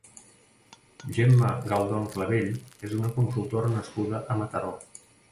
Gemma Galdon Clavell és una consultora nascuda a Mataró.